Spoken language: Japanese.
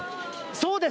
そうです。